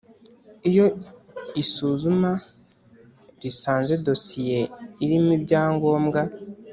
Iyo isuzuma risanze dosiye irimo ibyangombwa